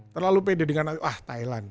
terlalu pede dengan thailand